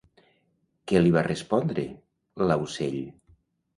Què li va respondre l'aucell?